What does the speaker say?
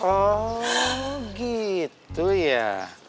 oh gitu ya